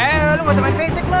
eh lo gak usah main fisik lo